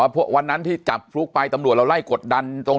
แต่ไม่เกี่ยวกับคาดีนี้โดยตรง